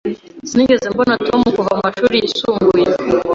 Sinigeze mbona Tom kuva amashuri yisumbuye.